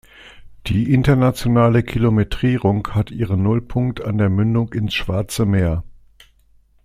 Die internationale Kilometrierung hat ihren Nullpunkt an der Mündung ins Schwarze Meer.